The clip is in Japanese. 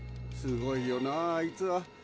すごいよなあいつは。